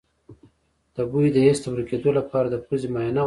د بوی د حس د ورکیدو لپاره د پوزې معاینه وکړئ